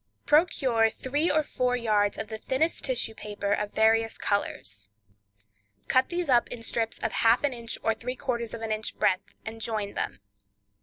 Procure three or four yards of the thinnest tissue paper of various colors. Cut these up in strips of half an inch or three quarters of an inch breadth, and join them.